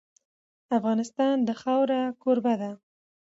افغانستان د خاوره کوربه دی.